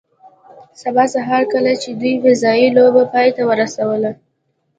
سبا سهار کله چې دوی فضايي لوبه پای ته ورسوله